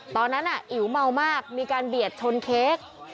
ตอนนั้นอิ๋วเมามากมีการเบียดชนเค้ก